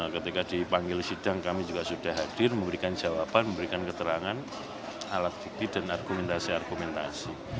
ketika dipanggil sidang kami juga sudah hadir memberikan jawaban memberikan keterangan alat bukti dan argumentasi argumentasi